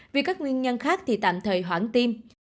vì các nguyên nhân khác thì tạm thời hoãn tim